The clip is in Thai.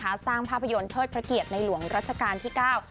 สร้างภาพยนตร์เทิดพระเกียรติในหลวงรัชกาลที่เก้า